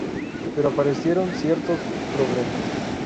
Pero aparecieron ciertos problemas.